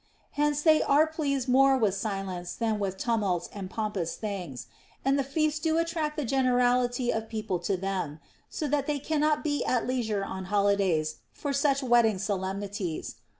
Hence they are pleased more with silence than with tumults and pompons doings ; and the feasts do attract the generality of people to them, so that they cannot be at leisure on holidays for snch wedding solemnities.